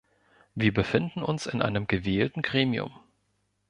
Wir befinden uns in einem gewählten Gremium.